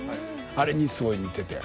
あれにすごい似てて。